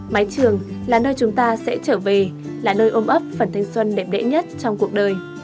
mái trường là nơi chúng ta sẽ trở về là nơi ôm ấp phần thanh xuân đẹp đẽ nhất trong cuộc đời